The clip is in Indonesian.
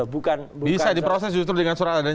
bisa diproses justru dengan surat adanya